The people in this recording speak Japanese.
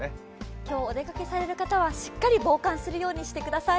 今日、お出かけされる方はしっかり防寒するようにしてください。